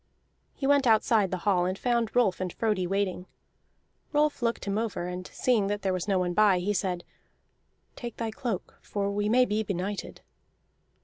He went outside the hall and found Rolf and Frodi waiting. Rolf looked him over, and seeing there was no one by, he said: "Take thy cloak, for we may be benighted."